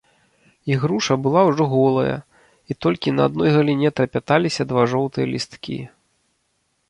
Ігруша была ўжо голая, і толькі на адной галіне трапяталіся два жоўтыя лісткі.